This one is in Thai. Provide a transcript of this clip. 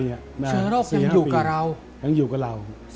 เชิงโรคยังอยู่กับเรา